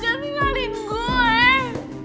jangan tinggalin gue